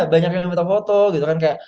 banyak yang minta foto gitu kan kayak